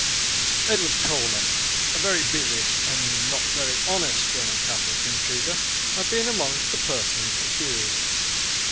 Edward Coleman, a very busy, and not very honest, Roman Catholic intriguer, had been among the persons accused.